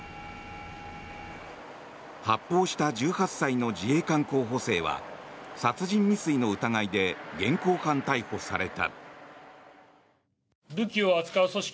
発砲した１８歳の自衛官候補生は殺人未遂の疑いで現行犯逮捕された。